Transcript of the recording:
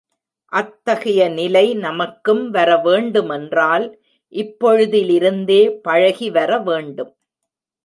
அத்தகைய நிலை நமக்கும் வரவேண்டுமென்றால் இப்பொழுதிலிருந்தே பழகி வர வேண்டும்.